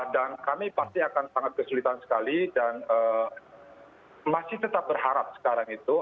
dan kami pasti akan sangat kesulitan sekali dan masih tetap berharap sekarang itu